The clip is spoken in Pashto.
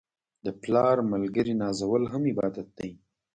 د پلار ملګري نازول هم عبادت دی.